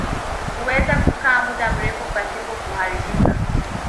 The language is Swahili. Huweza kukaa muda mrefu pasipo kuharibika.